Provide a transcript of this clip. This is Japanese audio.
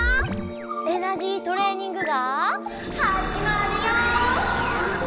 エナジートレーニングがはじまるよ！